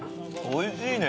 おいしいね！